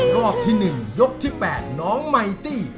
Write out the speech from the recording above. รอบที่๑ยกที่๘น้องไมตี้